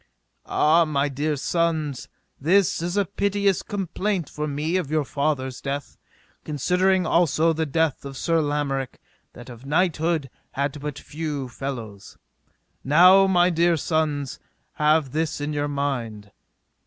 Ah, my dear sons, this is a piteous complaint for me of your father's death, considering also the death of Sir Lamorak, that of knighthood had but few fellows. Now, my dear sons, have this in your mind.